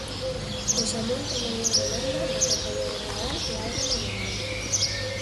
O xamón ten maior demanda na campaña de Nadal e algo no verán.